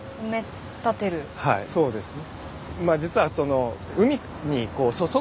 はいそうですね。